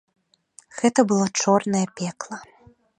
Гэта было чорнае пекла.